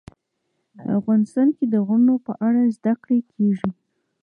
افغانستان کې د غرونه په اړه زده کړه کېږي.